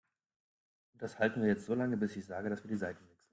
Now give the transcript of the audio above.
Und das halten wir jetzt so lange, bis ich sage, dass wir die Seiten wechseln.